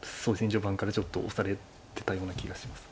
序盤からちょっと押されてたような気がします。